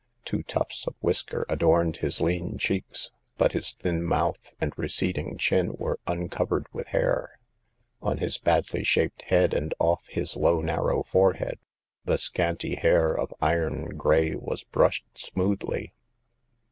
Two tufts of whisker adorned his lean cheeks, but his thin mouth and receding chin were uncovered with hair. On his badly shaped head and off his low narrow forehead the scanty hair of iron gray was brushed smoothly.